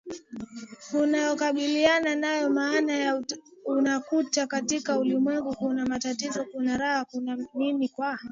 unayokabiliana nayo maana yake unakuta katika ulimwengu kuna matatizo kuna raha kuna nini kwa